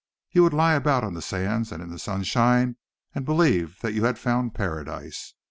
You would lie about on the sands and in the sunshine and believe that you had found Paradise.